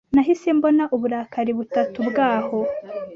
Nahise mbona uburakari butatu bwaho